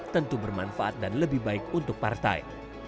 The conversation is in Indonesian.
tentu bermanfaat dan lebih baik untuk partai